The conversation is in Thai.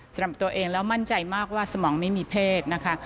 สำหรับตัวเองแล้วมั่นใจมากว่าสมองไม่มีเพศนะคะ